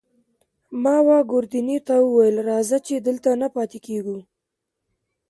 ما وه ګوردیني ته وویل: راځه، چې دلته نه پاتې کېږو.